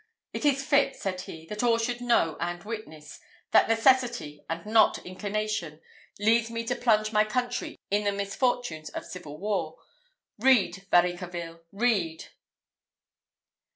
"It is fit," said he, "that all should know and witness, that necessity, and not inclination, leads me to plunge my country in the misfortunes of civil war. Read, Varicarville, read!"